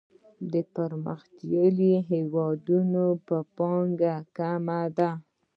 په پرمختیايي هیوادونو کې پانګه کمه ده.